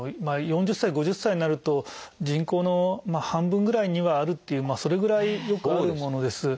４０歳５０歳になると人口の半分ぐらいにはあるっていうそれぐらいよくあるものです。